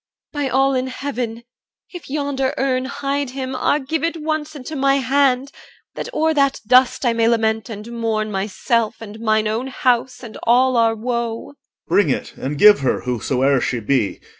by all in Heaven, if yonder urn Hide him, ah! give it once into my hand, That o'er that dust I may lament and mourn Myself and mine own house and all our woe! OR. Bring it and give her, whosoe'er she be.